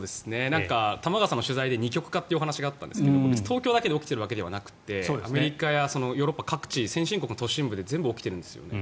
玉川さんの取材で二極化という話があったんですけど別に東京だけで起きているわけではなくてアメリカやヨーロッパ各地先進国の都心部全部で起きてるんですよね。